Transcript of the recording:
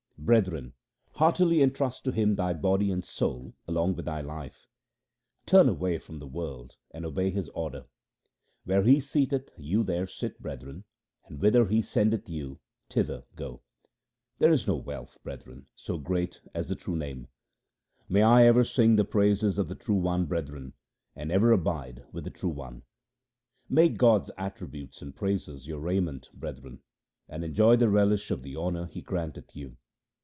1 Brethren, heartily entrust to Him thy body and soul along with thy life ; turn away from the world, and obey His order. 1 If it be employed to sing God's praises. HYMNS OF GURU AMAR DAS 251 Where He seateth you there sit, brethren ; and whither He sendeth you thither go. There is no wealth, brethren, so great as the true Name. May I ever sing the praises of the True One, brethren, and ever abide with the True One ! Make God's attributes and praises your raiment, brethren, and enjoy the relish of the honour He granteth you.